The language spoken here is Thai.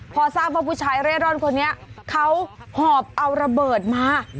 พอทราบว่าผู้ชายเร่ร่อนคนนี้เขาหอบเอาระเบิดมา